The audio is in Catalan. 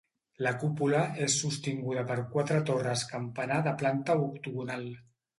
La cúpula és sostinguda per quatre torres campanar de planta octogonal.